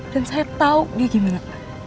dan saya tau dia gimana